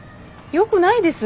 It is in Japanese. よくないです。